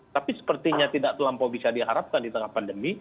tapi sepertinya tidak terlampau bisa diharapkan di tengah pandemi